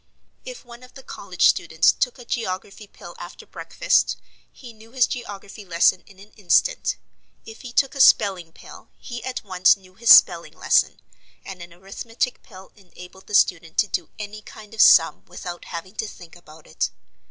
If one of the college students took a Geography Pill after breakfast, he knew his geography lesson in an instant; if he took a Spelling Pill he at once knew his spelling lesson, and an Arithmetic Pill enabled the student to do any kind of sum without having to think about it.